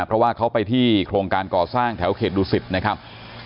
เพราะว่าเขาไปที่โครงการก่อสร้างแถวเขตดูสิตนะครับ